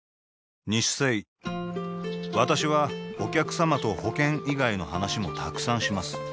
私はお客様と保険以外の話もたくさんします